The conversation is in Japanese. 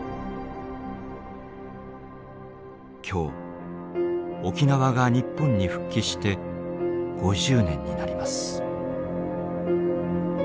今日沖縄が日本に復帰して５０年になります。